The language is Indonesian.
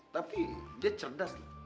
tapi dia cerdas